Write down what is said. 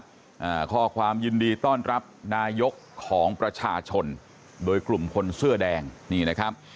อ่าข้อความยินดีต้อนรับนายกของประชาชนโดยกลุ่มคนเสื้อแดงนี่นะครับ